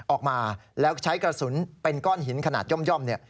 ออกมาแล้วใช้กระสุนเป็นก้อนหินขนาดย่อมเนี่ย